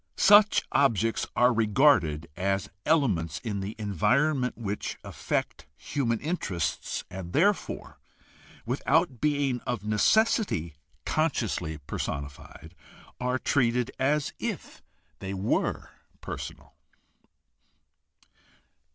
Such objects are regarded as elements in the environment which affect human interests, and therefore, without being of necessity consciously personified, are treated as if they were personal.